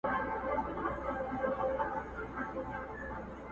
ستا وینا راته پیدا کړه دا پوښتنه،